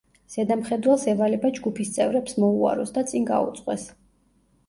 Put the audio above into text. ზედამხედველს ევალება ჯგუფის წევრებს მოუაროს და წინ გაუძღვეს.